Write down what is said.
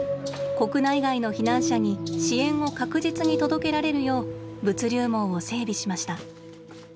国内外の避難者に支援を確実に届けられるよう物流網を整備しました。